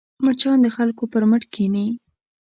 مچان د خلکو پر مټ کښېني